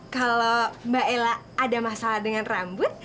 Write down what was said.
kalau mbak ella ada masalah dengan rambut